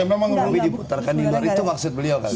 tapi diputarkan di luar itu maksud beliau